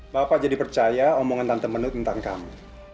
bapak jadi percaya omongan tante menuk tentang kamu